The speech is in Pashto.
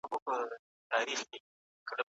ماشوم مه وهئ.